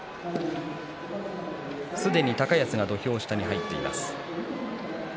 すでに高安が土俵下に入っています。